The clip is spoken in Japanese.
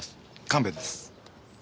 神戸です。